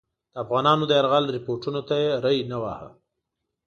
د افغانانو د یرغل رپوټونو ته یې ری نه واهه.